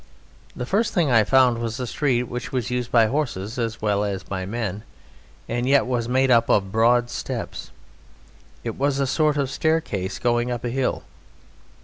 The first thing I found was a street which was used by horses as well as by men, and yet was made up of broad steps. It was a sort of stair case going up a hill.